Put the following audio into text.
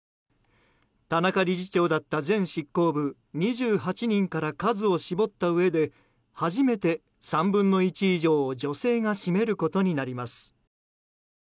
田中理事長だった前執行部２８人から数を絞ったうえで初めて３分の１以上を女性が占めることになります。